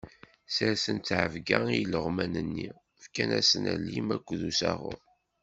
Sersen ttɛebga i ileɣman-nni, fkan-asen alim akked usaɣur.